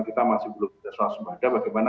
kita masih belum bisa waspada bagaimana